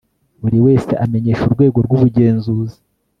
Buri wese amenyesha Urwego rw Ubugenzuzi